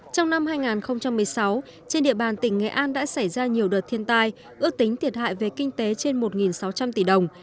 trong năm hai nghìn một mươi sáu trên địa bàn tỉnh nghệ an đã xảy ra nhiều đợt thiên tai ước tính thiệt hại về kinh tế trên một sáu trăm linh tỷ đồng